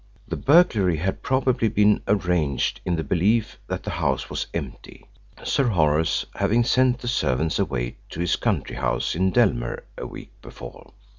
The burglary had probably been arranged in the belief that the house was empty, Sir Horace having sent the servants away to his country house in Dellmere a week before.